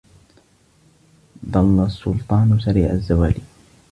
ظل السلطان سريع الزوال